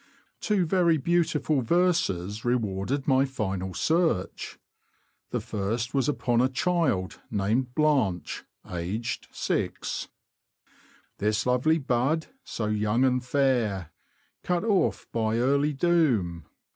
Two very beautiful verses rewarded my final search. The first was upon a child named '' Blanche, aged 6 :"— This lovely bud, so young & fair, Cut off by early doom.